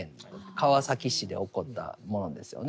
川崎市で起こったものですよね。